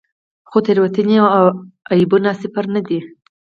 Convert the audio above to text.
خو تېروتنې او عیبونه صفر نه دي.